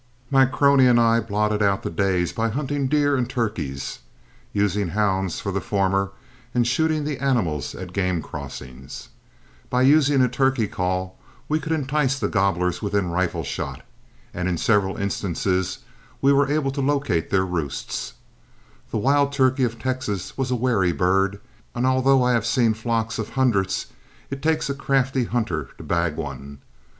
My crony and I blotted out the days by hunting deer and turkeys, using hounds for the former and shooting the animals at game crossings. By using a turkey call we could entice the gobblers within rifle shot, and in several instances we were able to locate their roosts. The wild turkey of Texas was a wary bird, and although I have seen flocks of hundreds, it takes a crafty hunter to bag one.